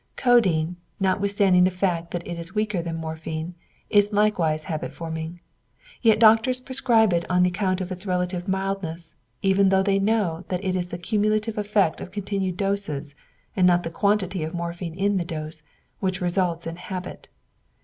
Codeine, notwithstanding the fact that it is weaker than morphine, is likewise habit forming; yet doctors prescribe it on account of its relative mildness, even though they know that it is the cumulative effect of continued doses, and not the quantity of morphine in the dose, which results in habit.